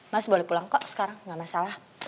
mas boleh pulang kok sekarang nggak masalah